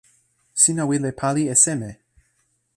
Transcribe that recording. sina wile pali e seme?